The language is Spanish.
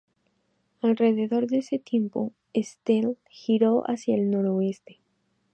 Alrededor de ese tiempo, Estelle giró hacia el noroeste.